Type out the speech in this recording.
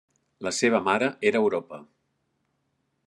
La seva mare era Europa.